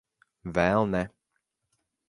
Vēl ne.